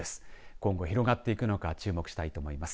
今後、広がっていくのか注目したいと思います。